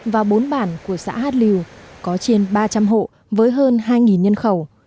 và bốn bản của xã hát liều có trên ba trăm linh hộ với hơn hai nhân khẩu